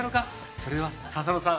それでは笹野さん